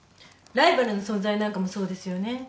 ライバルの存在なんかもそうですよね？